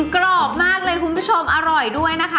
กรอบมากเลยคุณผู้ชมอร่อยด้วยนะคะ